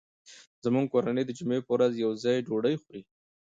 زموږ کورنۍ د جمعې په ورځ یو ځای ډوډۍ خوري